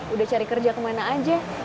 udah cari kerja kemana aja